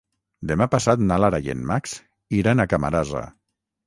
Demà passat na Lara i en Max iran a Camarasa.